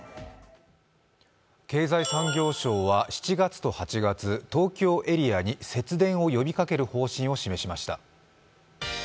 経済産業省は７月と８月、東京エリアに節電を呼びかける方針を示しました。